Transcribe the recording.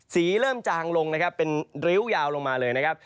เริ่มจางลงนะครับเป็นริ้วยาวลงมาเลยนะครับ